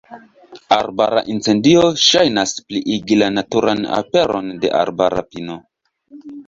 Arbara incendio ŝajnas pliigi la naturan aperon de arbara pino.